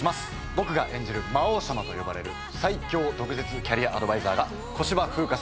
僕が演じる魔王様と呼ばれる最強毒舌キャリアアドバイザーが小芝風花さん